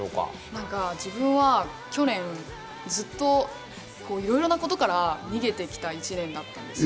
なんか自分は去年、ずっといろいろなことから逃げてきた１年だったんです。